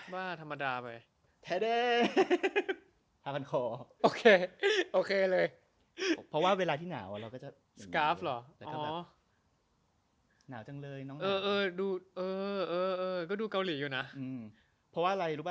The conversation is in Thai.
บ้าธรรมดาไป